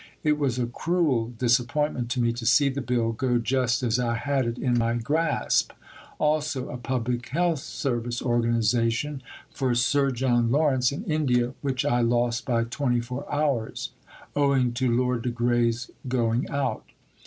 It was a cruel disappointment to me to see the Bill go just as I had it in my grasp. Also: a Public Health Service organization for Sir John Lawrence in India which I lost by 24 hours!! owing to Lord de Grey's going out.